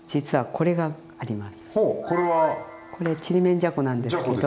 これちりめんじゃこなんですけど。